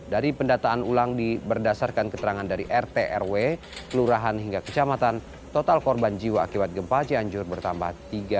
dari pendataan ulang berdasarkan keterangan dari rt rw kelurahan hingga kecamatan total korban jiwa akibat gempa cianjur bertambah tiga